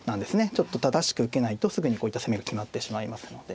ちょっと正しく受けないとすぐにこういった攻めが決まってしまいますので。